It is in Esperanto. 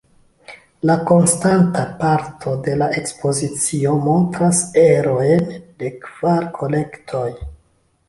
La konstanta parto de la ekspozicio montras erojn de kvar kolektoj.